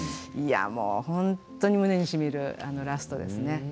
いやもう本当に胸にしみるラストですね。